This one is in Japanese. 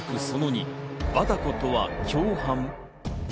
その２、バタコとは共犯？